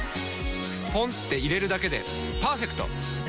ポンって入れるだけでパーフェクト！